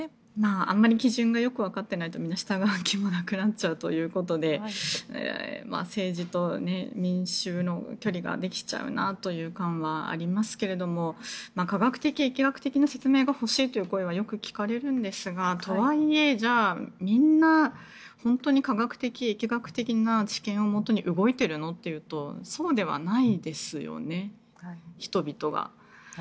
あまり基準がよくわかっていないとみんな、従う気もなくなっちゃうということで政治と民衆の距離ができちゃうなという感はありますけれども科学的、疫学的な説明が欲しいという声がよく聞かれるんですがとはいえ、じゃあみんな本当に科学的、疫学的な知見をもとに動いているのっていうのとそうではないですよね、人々は。